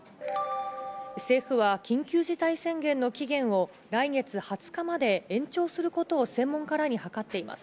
政府は緊急事態宣言の期限を来月２０日まで延長することを専門家らに諮っています。